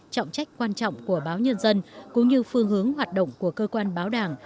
trọng trách quan trọng của báo nhân dân cũng như phương hướng hoạt động của cơ quan báo đảng